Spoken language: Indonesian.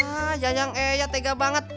ya yayang eya tega banget